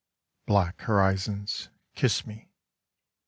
Black horizons, kiss me.